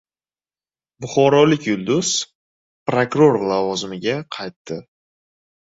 Buxorolik «yulduz» prokuror lavozimiga qaytdi